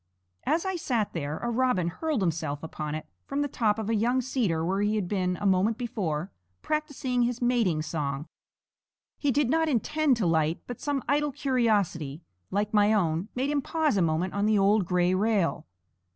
As I sat there a robin hurled himself upon it from the top of a young cedar where he had been, a moment before, practising his mating song. He did not intend to light, but some idle curiosity, like my own, made him pause a moment on the old gray rail.